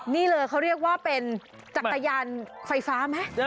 นี่เลยเขาเรียกว่าเป็นจักรยานไฟฟ้าไหม